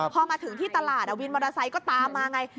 พอมาถึงที่ตลาดวินมอเตอร์ไซค์ก็ตามมาไง